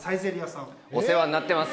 お世話になってます